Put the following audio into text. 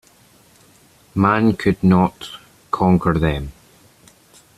Man could not conquer them.